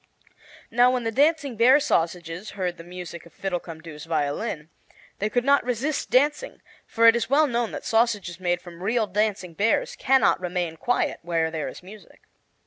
Now when the dancing bear sausages heard the music of Fiddlecumdoo's violin, they could not resist dancing; for it is well known that sausages made from real dancing bears can not remain quiet where there is music.